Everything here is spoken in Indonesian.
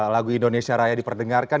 lagu indonesia raya diperdengarkan